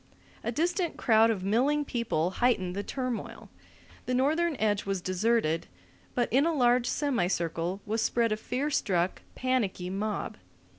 A distant crowd of milling people heightened the turmoil. The northern edge was deserted, but in a large semicircle was spread a fear struck, panicky mob.